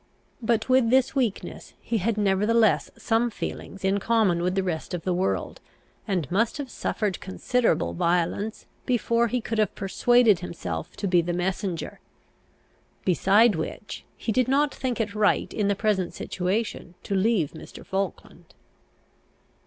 But, with this weakness, he had nevertheless some feelings in common with the rest of the world, and must have suffered considerable violence, before he could have persuaded himself to be the messenger; beside which, he did not think it right in the present situation to leave Mr. Falkland.